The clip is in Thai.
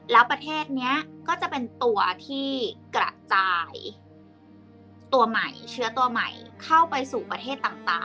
แล้วประเทศนี้ก็จะเป็นตัวที่กระจายตัวใหม่เชื้อตัวใหม่เข้าไปสู่ประเทศต่าง